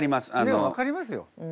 いや分かりますよ。